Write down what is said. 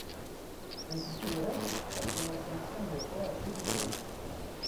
Hain justu ere, azken hori izan zen lepoa estutu ziona.